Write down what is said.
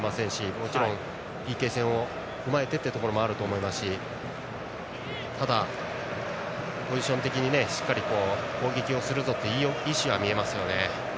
もちろんＰＫ戦を踏まえてというところもあるかもしれませんしただ、ポジション的にしっかり攻撃をするぞという意思は見えますね。